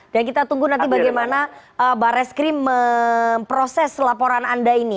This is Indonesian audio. dan kita tunggu nanti bagaimana bareskrim memproses laporan anda ini